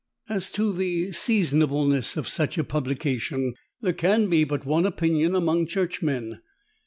As to the seasonableness of such a publication, there can be but one opinion among Churchmen.